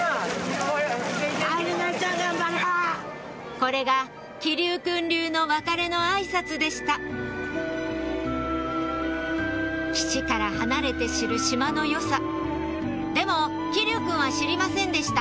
これが騎琉くん流の別れのあいさつでした岸から離れて知る島の良さでも騎琉くんは知りませんでした